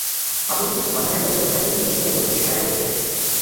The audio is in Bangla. অপরদিকে ধর্মাচার্যেরা জীবৎকালেই বহুদেশের লোকের মনে সাড়া জাগাইয়া গিয়াছেন।